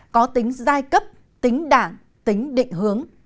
có tính giai cấp tính đảng tính định